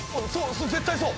絶対そう！